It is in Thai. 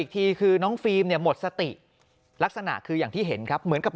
อีกทีคือน้องฟิล์มเนี่ยหมดสติลักษณะคืออย่างที่เห็นครับเหมือนกับ